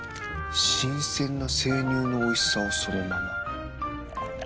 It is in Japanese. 新鮮な生乳のおいしさをそのまま。